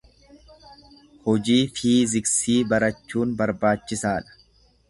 Hojii fiiziksii barachuun barbaachisaa dha.